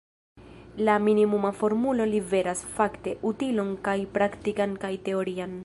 La minimuma formulo liveras, fakte, utilon kaj praktikan kaj teorian.